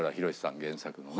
原作のね。